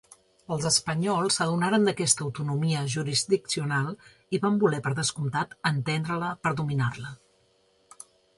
Els espanyols s'adonaren d'aquesta autonomia jurisdiccional i van voler, per descomptat, entendre-la per dominar-la.